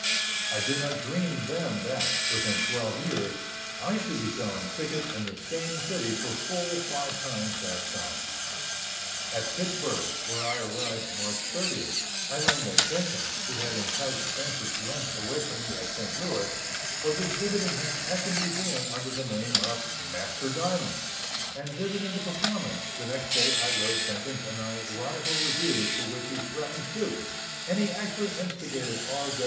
I did not dream then that, within twelve years, I should be selling tickets in the same city for full five times that sum. At Pittsburg, where I arrived March 30th, I learned that Jenkins, who had enticed Francis Lynch away from me at St. Louis, was exhibiting him at the Museum under the name of "Master Diamond," and visiting the performance, the next day I wrote Jenkins an ironical review for which he threatened suit and he actually instigated R.